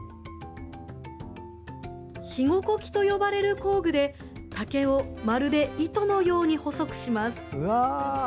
「ひごこき」と呼ばれる工具で竹をまるで糸のように細くします。